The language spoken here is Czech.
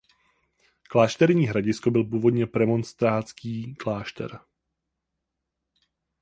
Klášterní Hradisko byl původně premonstrátský klášter.